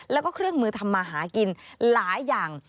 แล้วก็เครื่องมือทำมาหากินหลายอย่าง